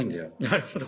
なるほど。